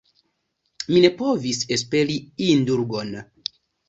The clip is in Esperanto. Mi ne povis esperi indulgon.